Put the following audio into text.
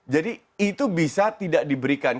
jadi itu bisa tidak diberikan